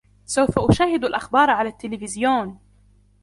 سوف أشاهد الأخبار على التليفزيون.